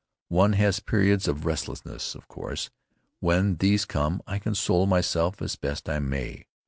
One has periods of restlessness, of course. When these come I console myself as best I may.